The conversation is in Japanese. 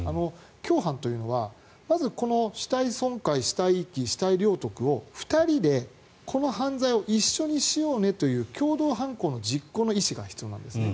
共犯というのはまず死体損壊、死体遺棄死体領得を２人でこの犯罪を一緒にしようねという共同犯行の実行の意思が必要なんですね。